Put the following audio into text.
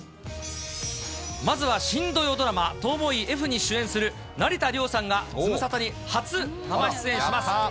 まずは新土曜ドラマ、逃亡医Ｆに主演する成田凌さんが、ズムサタに初生出演します。